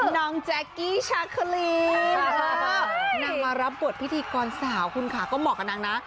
น้องแจ๊กกี้ชาคลีนางมารับบทพิธีกรสาวคุณค่ะก็เหมาะกับนางนะ